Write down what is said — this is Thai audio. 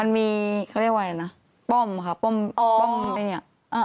มันมีเขาเรียกว่าอะไรนะป้อมค่ะป้อมป้อมไอ้เนี่ย